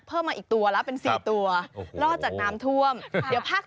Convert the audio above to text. ติดตามทางราวของความน่ารักกันหน่อย